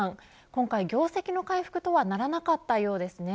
今回、業績の回復とはならなかったようですね。